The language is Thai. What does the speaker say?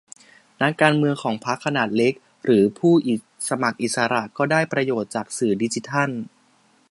นักการเมืองของพรรคขนาดเล็ก หรือผู้สมัครอิสระก็ได้ประโยชน์จากสื่อดิจิทัล